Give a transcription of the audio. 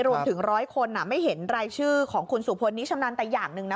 ร้อยคนไม่เห็นรายชื่อของคุณสุพลนี้ชำนาญแต่อย่างหนึ่งนะ